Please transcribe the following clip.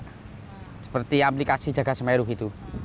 mantau hp pak seperti aplikasi jaga semeru gitu